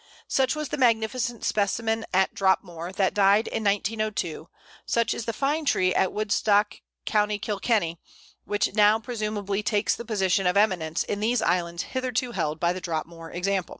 Such was the magnificent specimen at Dropmore that died in 1902, such is the fine tree at Woodstock, Co. Kilkenny, which now presumably takes the position of eminence in these islands hitherto held by the Dropmore example.